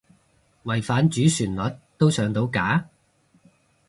違反主旋律都上到架？